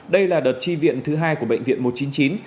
đây là đợt tri viện thứ hai của bệnh viện một trăm chín mươi chín